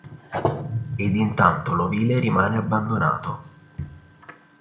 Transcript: Ed intanto l'ovile rimane abbandonato.